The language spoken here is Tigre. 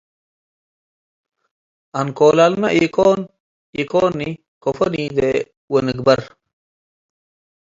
አንኮለልና ኢኮኒ - ከፎ ኒዴ ወንግበር